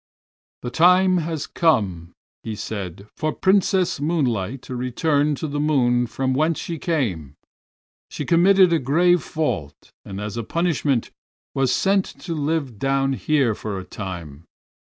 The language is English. "The time has come," he said, "for Princess Moonlight to return to the moon from whence she came. She committed a grave fault, and as a punishment was sent to live down here for a time.